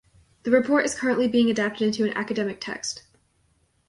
The report is currently being adapted into an academic text.